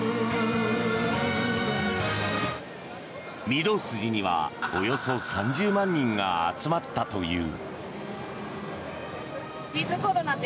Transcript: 御堂筋にはおよそ３０万人が集まったという。